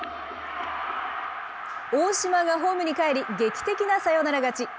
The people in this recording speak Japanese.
大島がホームにかえり、劇的なサヨナラ勝ち。